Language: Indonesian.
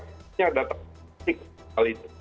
sebenarnya data itu